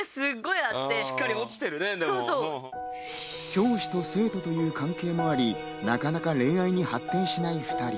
教師と生徒という関係もあり、なかなか恋愛に発展しない２人。